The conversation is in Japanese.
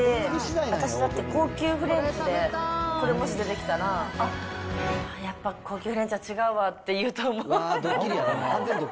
私だって、高級フレンチでこれ、もし出てきたら、あっ、やっぱ高級フレンチは違うわって言うと思う。